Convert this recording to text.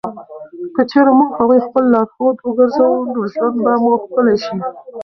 که چېرې موږ هغوی خپل لارښود وګرځوو، نو ژوند به مو ښکلی شي.